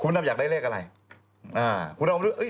คุณอยากได้เลขอะไร